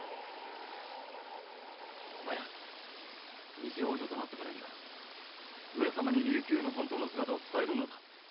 偽王女となったからには上様に琉球の本当の姿を伝えるのだ。